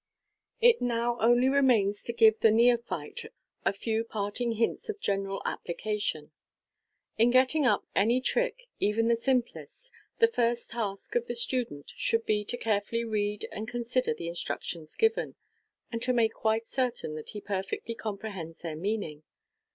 It now only remains to give the neophyte a few parting hints of general application. In getting up any trick, even the simplest, the first task of the student should be to carefully read and consider the instructions given, and to make quite certain that he perfectly compre hends their meaning.